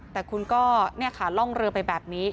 แต่คุณก็เนี่ยค่ะร่องเรือไปแบบนี้